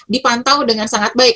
dipantau dengan sangat baik